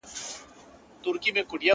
• کله شاته کله څنګ ته یې کتله,